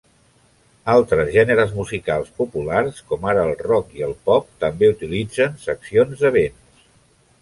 Altres gèneres musicals populars, com ara el rock i el pop, també utilitzen seccions de vents.